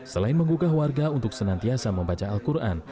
selain menggugah warga untuk senantiasa membaca al quran